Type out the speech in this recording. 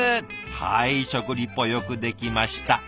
はい食リポよくできました。